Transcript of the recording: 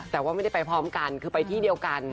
แต่ว่าไม่ได้ไปพร้อมกันคือไปที่เดียวกัน